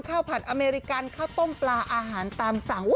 ผัดอเมริกันข้าวต้มปลาอาหารตามสั่ง